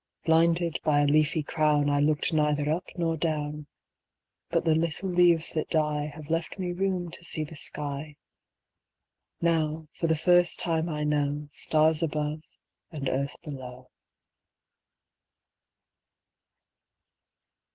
Blinded by a leafy crownI looked neither up nor down—But the little leaves that dieHave left me room to see the sky; Now for the first time I knowStars above and earth below.